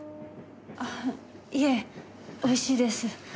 あっいえ美味しいです。